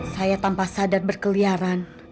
saya tanpa sadar berkeliaran